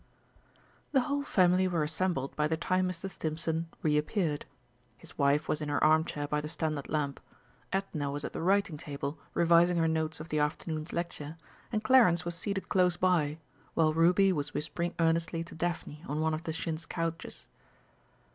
The whole family were assembled by the time Mr. Stimpson re appeared his wife was in her armchair by the standard lamp. Edna was at the writing table revising her notes of the afternoon's lecture, and Clarence was seated close by, while Ruby was whispering earnestly to Daphne on one of the chintz couches.